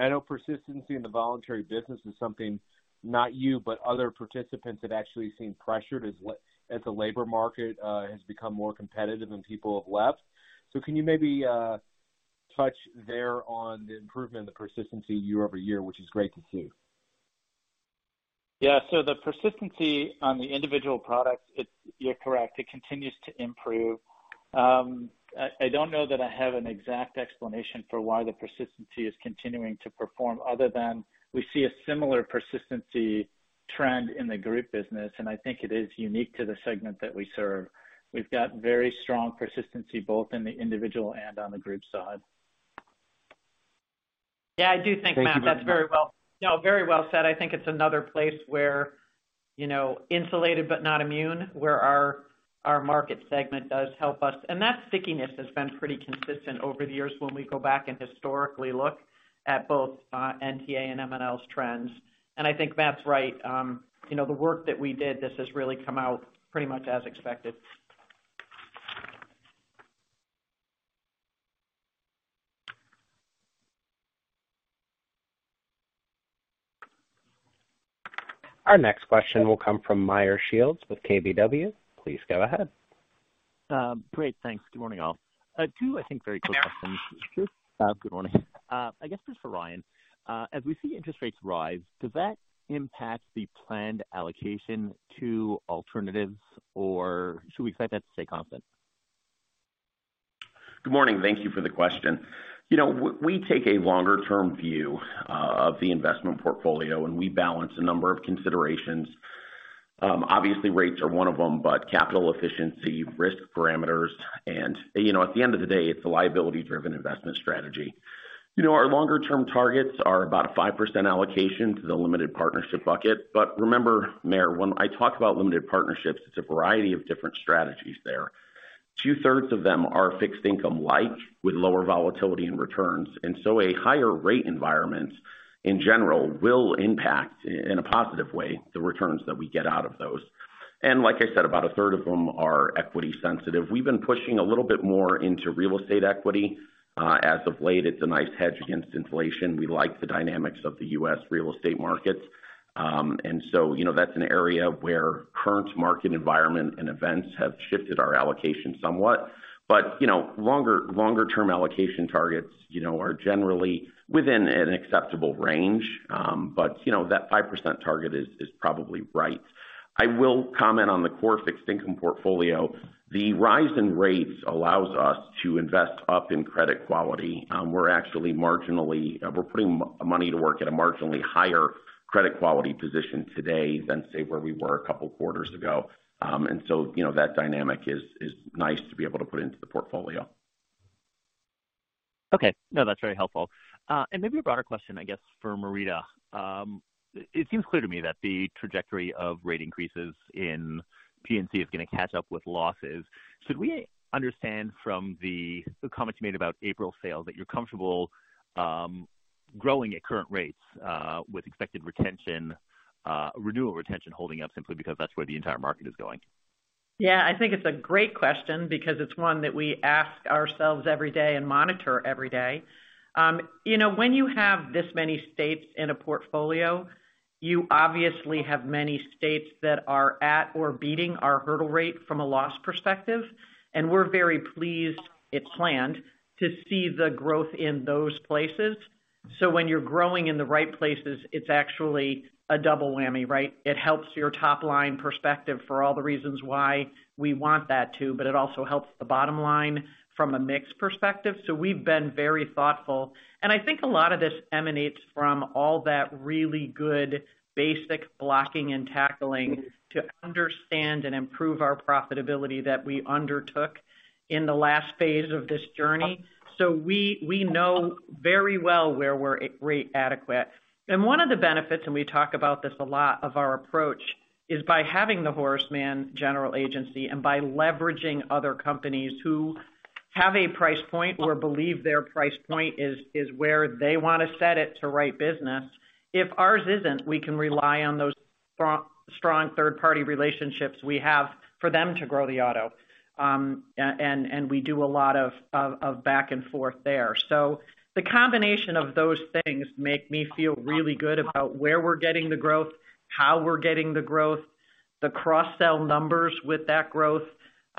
I know persistency in the voluntary business is something, not you, but other participants have actually seemed pressured as the labor market has become more competitive and people have left. Can you maybe touch there on the improvement in the persistency year-over-year, which is great to see? Yeah. The persistency on the individual products, it's. You're correct, it continues to improve. I don't know that I have an exact explanation for why the persistency is continuing to perform other than we see a similar persistency trend in the group business, and I think it is unique to the segment that we serve. We've got very strong persistency, both in the individual and on the group side. Yeah, I do think, Matt, that's very well said. I think it's another place where, you know, insulated but not immune, where our market segment does help us. That stickiness has been pretty consistent over the years when we go back and historically look at both NTA and MNL's trends. I think Matt's right. You know, the work that we did. This has really come out pretty much as expected. Our next question will come from Meyer Shields with KBW. Please go ahead. Great. Thanks. Good morning, all. Two, I think, very quick questions. Good morning. I guess just for Ryan Greenier, as we see interest rates rise, does that impact the planned allocation to alternatives or should we expect that to stay constant? Good morning. Thank you for the question. You know, we take a longer-term view of the investment portfolio, and we balance a number of considerations. Obviously, rates are one of them, but capital efficiency, risk parameters and, you know, at the end of the day, it's a liability-driven investment strategy. You know, our longer term targets are about a 5% allocation to the limited partnership bucket. But remember, Meyer, when I talk about limited partnerships, it's a variety of different strategies there. Two-thirds of them are fixed income-like with lower volatility in returns, and so a higher rate environment, in general, will impact in a positive way, the returns that we get out of those. Like I said, about a third of them are equity sensitive. We've been pushing a little bit more into real estate equity as of late. It's a nice hedge against inflation. We like the dynamics of the U.S. real estate markets. You know, that's an area where current market environment and events have shifted our allocation somewhat. Longer-term allocation targets, you know, are generally within an acceptable range. You know, that 5% target is probably right. I will comment on the core fixed income portfolio. The rise in rates allows us to invest up in credit quality. We're putting money to work at a marginally higher credit quality position today than, say, where we were a couple of quarters ago. You know, that dynamic is nice to be able to put into the portfolio. Okay. No, that's very helpful. Maybe a broader question, I guess, for Marita. It seems clear to me that the trajectory of rate increases in P&C is gonna catch up with losses. Should we understand from the comments you made about April sales that you're comfortable growing at current rates with expected retention renewal retention holding up simply because that's where the entire market is going? Yeah, I think it's a great question because it's one that we ask ourselves every day and monitor every day. When you have this many states in a portfolio, you obviously have many states that are at or beating our hurdle rate from a loss perspective, and we're very pleased to see the growth in those places. When you're growing in the right places, it's actually a double whammy, right? It helps your top line perspective for all the reasons why we want that to, but it also helps the bottom line from a mix perspective. We've been very thoughtful. I think a lot of this emanates from all that really good basic blocking and tackling to understand and improve our profitability that we undertook in the last phase of this journey. We know very well where we're rate adequate. One of the benefits, and we talk about this a lot, of our approach is by having the Horace Mann General Agency and by leveraging other companies who have a price point or believe their price point is where they wanna set it to write business. If ours isn't, we can rely on those strong third-party relationships we have for them to grow the auto. We do a lot of back and forth there. The combination of those things make me feel really good about where we're getting the growth, how we're getting the growth, the cross-sell numbers with that growth.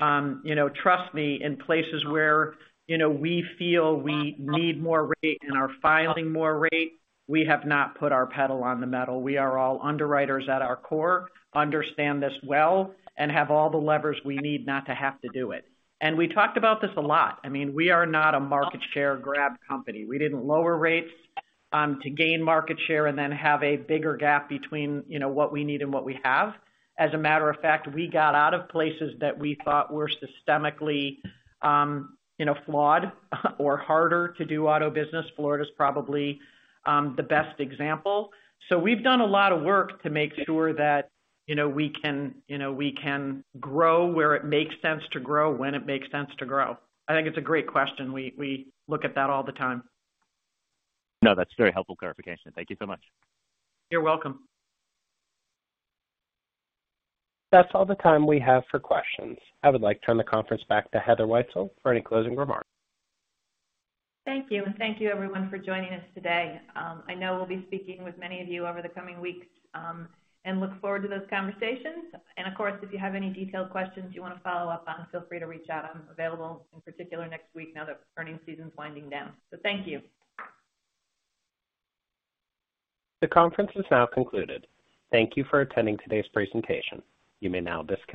You know, trust me, in places where we feel we need more rate and are filing more rate, we have not put our pedal on the metal. We are all underwriters at our core, understand this well, and have all the levers we need not to have to do it. We talked about this a lot. I mean, we are not a market share grab company. We didn't lower rates to gain market share and then have a bigger gap between, you know, what we need and what we have. As a matter of fact, we got out of places that we thought were systemically, you know, flawed or harder to do auto business. Florida's probably the best example. We've done a lot of work to make sure that, you know, we can, you know, we can grow where it makes sense to grow, when it makes sense to grow. I think it's a great question. We look at that all the time. No, that's very helpful clarification. Thank you so much. You're welcome. That's all the time we have for questions. I would like to turn the conference back to Heather Wietzel for any closing remarks. Thank you. Thank you everyone for joining us today. I know we'll be speaking with many of you over the coming weeks, and look forward to those conversations. Of course, if you have any detailed questions you wanna follow up on, feel free to reach out. I'm available in particular next week now that earnings season's winding down. Thank you. The conference is now concluded. Thank you for attending today's presentation. You may now disconnect.